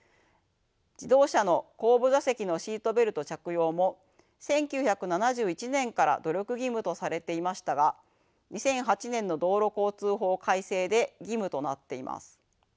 自動車の後部座席のシートベルト着用も１９７１年から努力義務とされていましたが２００８年の道路交通法改正で義務となっています。